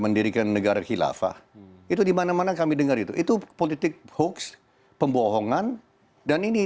mendirikan negara khilafah itu dimana mana kami dengar itu itu politik hoax pembohongan dan ini